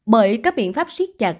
bởi các biện pháp siết chặt